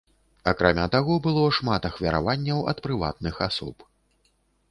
Акрамя таго, было шмат ахвяраванняў ад прыватных асоб.